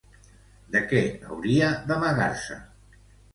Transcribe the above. ¿De què hauria d'amagar-se?